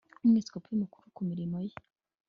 Umwepisikopi Mukuru ku mirimo ye